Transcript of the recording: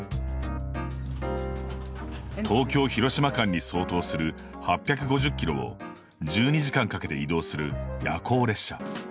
東京広島間に相当する８５０キロを１２時間かけて移動する夜行列車。